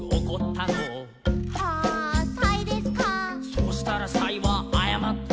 「そしたらサイはあやまった」